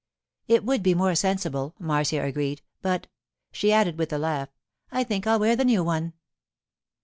'It would be more sensible,' Marcia agreed; 'but,' she added with a laugh, 'I think I'll wear the new one.